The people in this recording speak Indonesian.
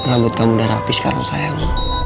rambut kamu udah rapi sekarang sayang